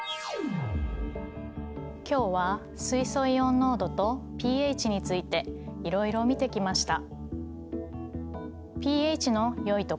今日は水素イオン濃度とｐＨについていろいろ見てきました。